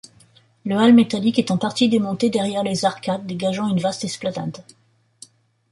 Le hall métallique est en partie démonté derrière les arcades, dégageant une vaste esplanade.